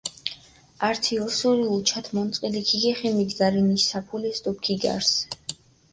ართი ოსური უჩათ მონწყილი ქიგეხე მიდგაშირენ საფულეს დო ქიგარს.